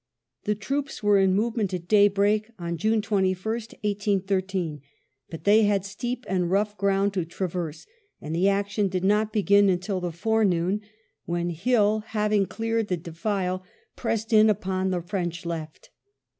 The troops were in movement at daybreak on June 21st) 1813, but they had steep and rough ground to traverse, and the action did not begin until the forenoon, when Hill, having cleared the defile, pressed in upon the French left.